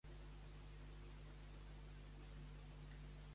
De quin tema va decidir parlar en Víctor mentre li enxampava el braç?